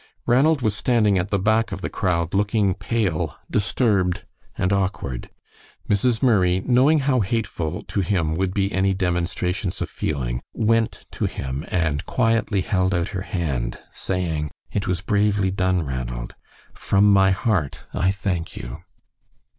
Ranald was standing at the back of the crowd, looking pale, disturbed, and awkward. Mrs. Murray, knowing how hateful to him would be any demonstrations of feeling, went to him, and quietly held out her hand, saying: "It was bravely done, Ranald. From my heart, I thank you."